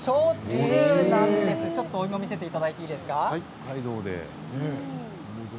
お芋を見せていただいていいですか？